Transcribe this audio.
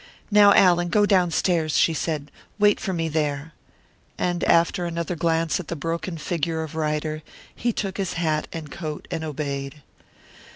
"Now, Allan, go downstairs," she said; "wait for me there." And after another glance at the broken figure of Ryder, he took his hat and coat and obeyed.